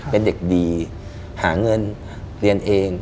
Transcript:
เป็นเด็กดีหาเงินเรียนเอง